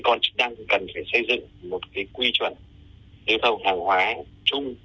các con chức năng cần phải xây dựng một quy chuẩn lưu thông hàng hóa chung